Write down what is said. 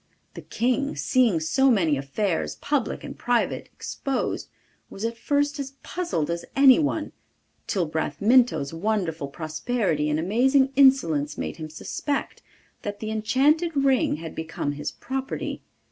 The King, seeing so many affairs, public and private, exposed, was at first as puzzled as anyone, till Bramintho's wonderful prosperity and amazing insolence made him suspect that the enchanted ring had become his property.